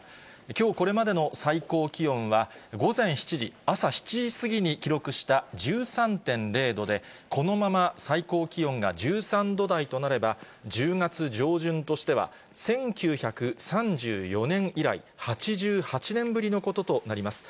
きょうこれまでの最高気温は、午前７時、朝７時過ぎに記録した１３．０度で、このまま最高気温が１３度台となれば、１０月上旬としては１９３４年以来、８８年ぶりのこととなります。